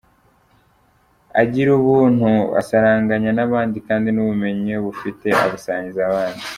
Agira ubuntu , asaranganya n’abandi kandi n’ubumenyi iyo abufite abusangiza abandi.